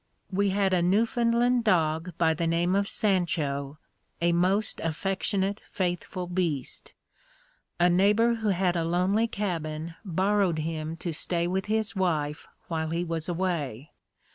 We had a Newfoundland dog by the name of Sancho, a most affectionate, faithful beast. A neighbor who had a lonely cabin borrowed him to stay with his wife while he was away.